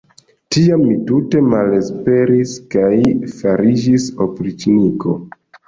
Tiam mi tute malesperis kaj fariĝis opriĉniko.